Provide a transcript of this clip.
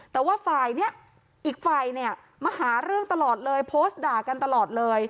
แต่ว่าฝ่ายนี้อีกฝ่ายเนี่ยมาหาเรื่องตลอดเลยโพสต์ด่ากันตลอดเลย